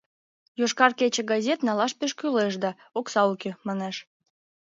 — «Йошкар кече» газет налаш пеш кӱлеш да, окса уке, — манеш.